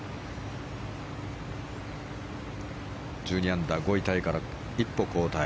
１２アンダー、５位タイから一歩後退。